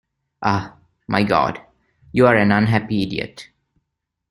Ah, my God, you are an unhappy idiot!